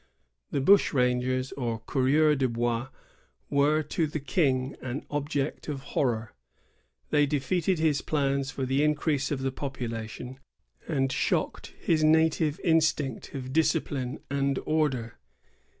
The bush rangers, or coureurs de bois, were to the King an object of horror. They defeated his plans for the increase of the population, and shocked his native instinct of discipline and order.